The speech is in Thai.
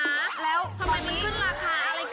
ฉงคืนราคามากเลย